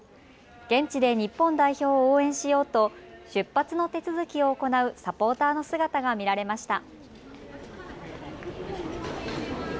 現地で日本代表を応援しようと出発の手続きを行うサポーターの姿が見られました。